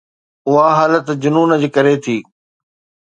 اها حالت جنون جي ڪري ٿي.